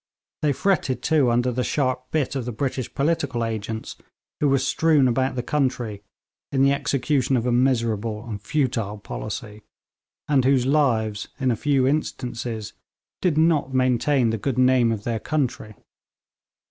They fretted, too, under the sharp bit of the British political agents who were strewn about the country, in the execution of a miserable and futile policy, and whose lives, in a few instances, did not maintain the good name of their country.